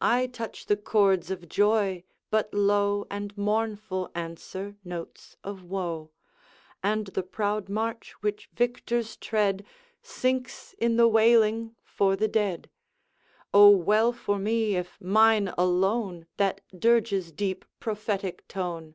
I touch the chords of joy, but low And mournful answer notes of woe; And the proud march which victors tread Sinks in the wailing for the dead. O, well for me, if mine alone That dirge's deep prophetic tone!